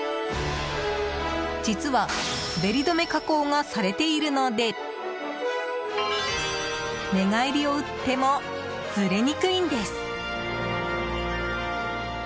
実は、滑り止め加工がされているので寝返りをうってもずれにくいんです。